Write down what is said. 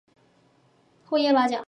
厚叶八角